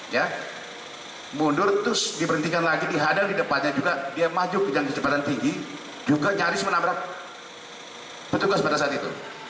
ya mundur terus diberhentikan lagi dihadang di depannya juga dia maju ke yang kecepatan tinggi juga nyaris menabrak petugas pada saat itu